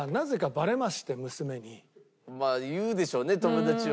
まあ言うでしょうね友達は。